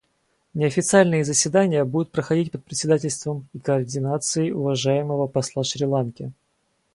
Неофициальные заседания будут проходить под председательством и координацией уважаемого посла Шри-Ланки.